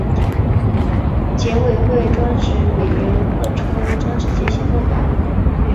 检委会专职委员万春、张志杰先后发言